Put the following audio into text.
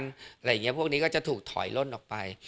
อะไรอย่างนี้พวกนี้ก็จะถูกถอยล่นออกไป